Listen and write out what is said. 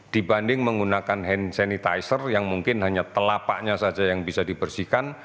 dibanding menggunakan hand sanitizer yang mungkin hanya telapaknya saja yang bisa dibersihkan